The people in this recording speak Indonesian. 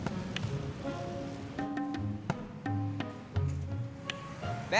nggak ada bang